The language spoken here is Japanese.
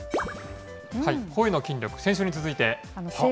声の筋力、先週に続いて。